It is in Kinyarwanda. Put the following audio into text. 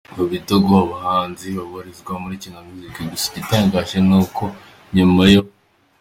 mu bitugu abahanzi babarizwa muri Kina music gusa igitangaje ni uko nyuma yo.